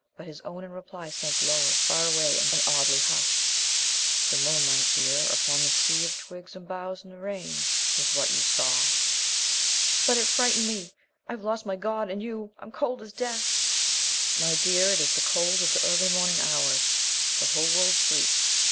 But his own in reply sank lower, far away, and oddly hushed. "The moonlight, dear, upon the sea of twigs and boughs in the rain, was what you saw." "But it frightened me. I've lost my God and you I'm cold as death!" "My dear, it is the cold of the early morning hours. The whole world sleeps.